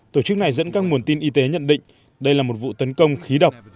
tổ chức này dẫn các nguồn tin y tế nhận định đây là một vụ tấn công khí độc